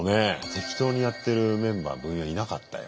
適当にやってるメンバー部員はいなかったよ。